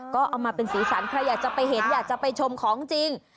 ก็เอามาเป็นสีสันใครอยากจะไปเห็นอยากจะไปชมของจริง